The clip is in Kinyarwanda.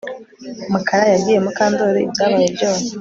Mukara yabwiye Mukandoli ibyabaye byose